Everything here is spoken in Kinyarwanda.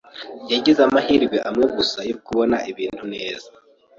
yagize amahirwe imwe gusa yo kubona ibintu neza.